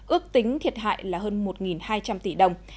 ước tính thiệt hại là hơn một hai trăm linh tỷ đồng